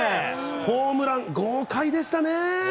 ホームラン、豪快でしたね。